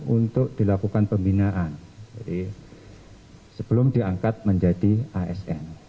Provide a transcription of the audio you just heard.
untuk dilakukan pembinaan sebelum diangkat menjadi asn